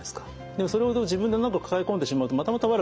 でもそれを自分で抱え込んでしまうとまたまた悪くなってしまう。